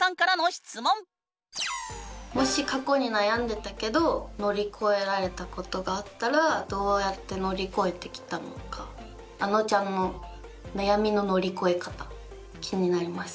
もし過去に悩んでたけど乗り越えられたことがあったらどうやって乗り越えてきたのかあのちゃんの悩みの乗り越え方気になります。